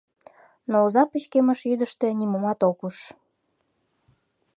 Но оза пычкемыш йӱдыштӧ нимомат ок уж.